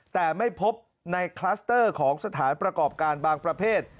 แต่ไม่พบในคลัสเตอร์ของสถานประกอบการบางประเภท